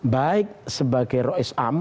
baik sebagai rois am